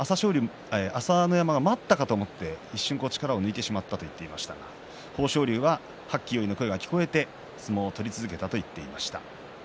朝乃山が待ったかと思って一瞬力を抜いてしまったと言っていましたが豊昇龍は、はっきよいの声が聞こえて相撲を取り続けたと言っていました。